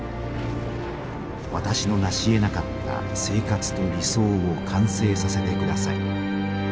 私のなしえなかった生活と理想を完成させてください。